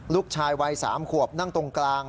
ลูกชายวัย๓ขวบนั่งตรงกลาง